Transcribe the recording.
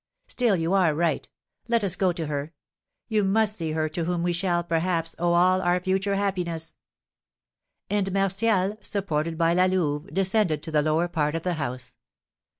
Still you are right; let us go to her. You must see her to whom we shall, perhaps, owe all our future happiness." And Martial, supported by La Louve, descended to the lower part of the house.